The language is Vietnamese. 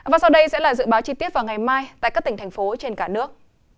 và sau đây sẽ là dự báo chi tiết vào ngày mai tại các tỉnh thành phố trên cả nước